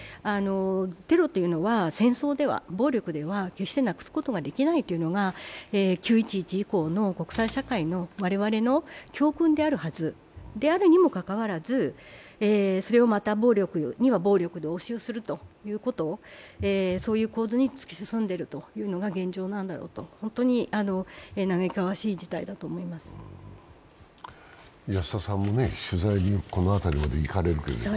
テロというのは戦争、暴力では決してなくすことができないというのが９．１１以降の国際社会の我々のであるにもかかわらずそれをまた暴力には暴力で応酬するということ、そういう構図に突き進んでいるというのが現状なんだろうと、本当に安田さんも取材にこの辺りまで行かれるけど。